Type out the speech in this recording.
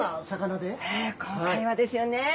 今回はですよね